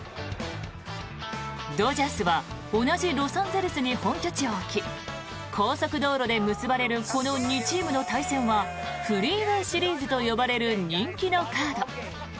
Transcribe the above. ドジャースは同じロサンゼルスに本拠地を置き高速道路で結ばれるこの２チームの対戦はフリーウェー・シリーズと呼ばれる人気のカード。